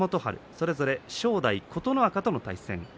それぞれ正代、琴ノ若との対戦です。